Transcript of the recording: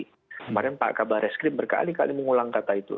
kemarin pak kabarreskrim berkali kali mengulang kata itu